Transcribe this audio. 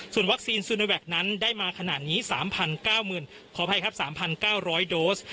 ส่วนวัคซีนนั้นได้มาขนาดนี้สามพันเก้าหมื่นขออภัยครับสามพันเก้าร้อยโดส